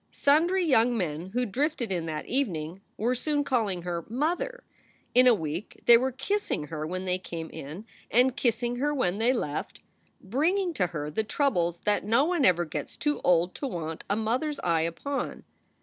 Sundry young men who drifted in that evening were soon calling her Mother. " In a week they were kissing her when they came in and kissing her when they left, bring ing to her the troubles that no one ever gets too old to want a mother s eye upon.